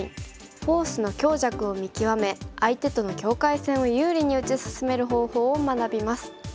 フォースの強弱を見極め相手との境界線を有利に打ち進める方法を学びます。